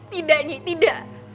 tidak nyi tidak